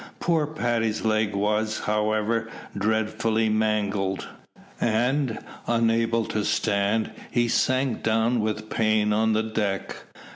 Poor Paddy's leg was, however, dreadfully mangled; and, unable to stand, he sank down with pain on the deck.